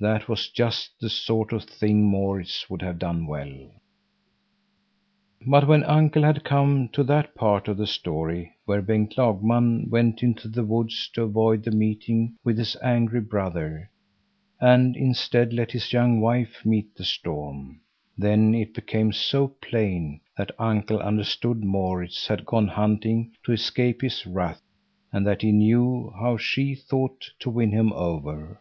That was just the sort of thing Maurits would have done well. But when uncle had come to that part of the story where Bengt Lagman went into the woods to avoid the meeting with his angry brother, and instead let his young wife meet the storm, then it became so plain that uncle understood Maurits had gone hunting to escape his wrath and that he knew how she thought to win him over.